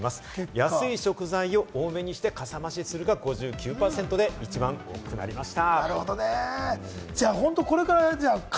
安い食材を多めにして、かさ増しするが５９％で一番多くなりました。